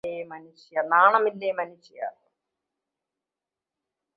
നാണമില്ലേ മനുഷ്യാ